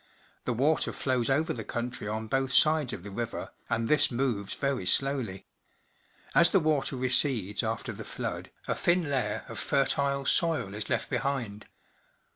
The water flows over the country on both sides of the river, and this moves very slowly. As the water recedes after the flood, a thin layer of fertile soil is left behind.